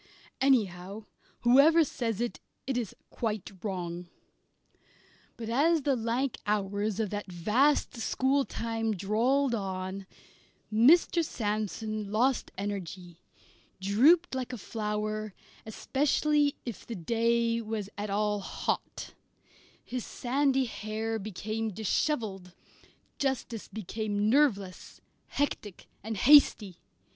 Anyhow, whoever says it, it is quite wrong. But as the lank hours of that vast schooltime drawled on, Mr. Sandsome lost energy, drooped like a flower, especially if the day was at all hot, his sandy hair became dishevelled, justice became nerveless, hectic, and hasty.